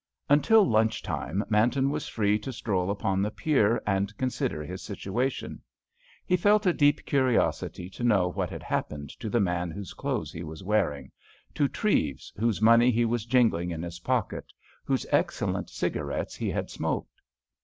Until lunch time Manton was free to stroll upon the pier and consider his situation. He felt a deep curiosity to know what had happened to the man whose clothes he was wearing; to Treves, whose money he was jingling in his pocket, whose excellent cigarettes he had smoked.